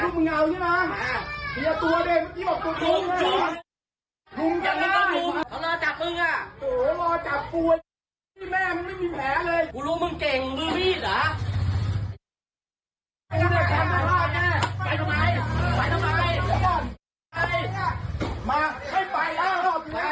กูรู้มึงเก่งหรือมีดหรอ